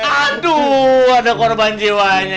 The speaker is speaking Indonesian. aduh ada korban jiwanya